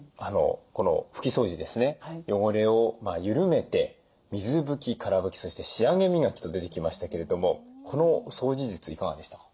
この拭き掃除ですね汚れを緩めて水拭きから拭きそして仕上げ磨きと出てきましたけれどもこの掃除術いかがでしたか？